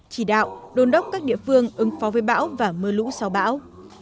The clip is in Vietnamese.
chỉ đạo đôn đốc các địa phương ứng phó với bão và mưa lũ sau bão